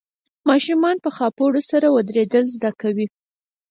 ماشومان په خاپوړو سره ودرېدل زده کوي.